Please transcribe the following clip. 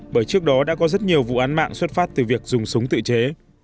bởi trước đó đã có rất nhiều vụ án mạng xuất phát từ việc dùng súng tự chế